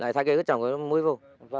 vâng thay cây ớt trồng mới vô